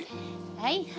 はい